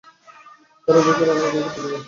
তাঁরা উভয়ে খেলেন ও আমাকে খেতে দিলেন।